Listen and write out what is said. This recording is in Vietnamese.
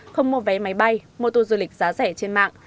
không mua vé máy bay mô tô du lịch giá rẻ trên mạng